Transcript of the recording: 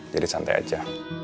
jadi santai aja